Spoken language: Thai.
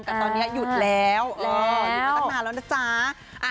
แต่ตอนนี้หยุดแล้วหยุดมาตั้งนานแล้วนะจ๊ะ